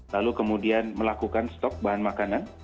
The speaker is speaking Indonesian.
lalu kemudian melakukan stok bahan makanan